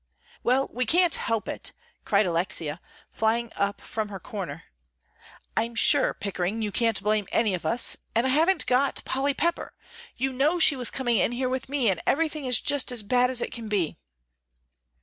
"Well, we can't help it," cried Alexia, flying up from her corner; "I'm sure, Pickering, you can't blame any of us. And I haven't got Polly Pepper; you know she was coming in here with me, and everything is just as bad as it can be."